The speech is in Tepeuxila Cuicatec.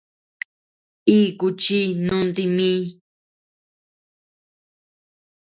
Iku chi nunti mi.